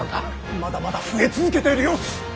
まだまだ増え続けている様子。